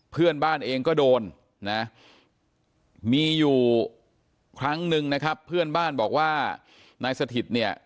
เพื่อนบ้านเองก็โดนนะมีอยู่ครั้งหนึ่งนะครับเพื่อนบ้านบอกว่านายสถิตเนี่ย